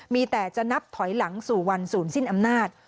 มีแต่จะนับถอยหลังสู่วันศูนย์สิ้นอำนาจ